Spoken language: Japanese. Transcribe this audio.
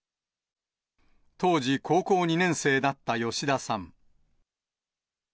当時高校２年生だった吉田さん。